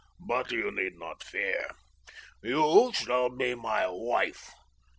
"But you need not fear. You shall be my wife.